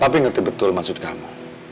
papi ngerti betul maksud kamu